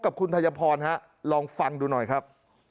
กับคุณทัยพรลองฟังดูหน่อยครับ